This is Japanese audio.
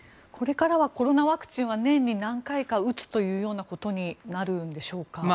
これからはコロナワクチンは年に何回か打つということになるんでしょうか？